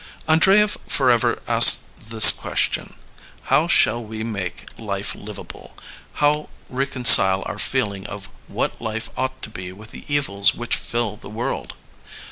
'' Andreyev forever asks this question: How shall we make life livable, how reconcile our feeling of what life ought to be with the evils which fill the world?